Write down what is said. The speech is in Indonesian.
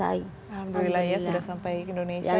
alhamdulillah ya sudah sampai ke indonesia